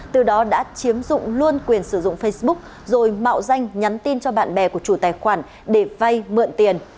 từ đó đã chiếm dụng luôn quyền sử dụng facebook rồi mạo danh nhắn tin cho bạn bè của chủ tài khoản để vay mượn tiền